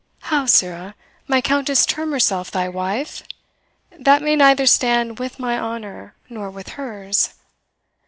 "How, sirrah? my Countess term herself thy wife! that may neither stand with my honour nor with hers."